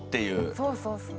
そうそうそう。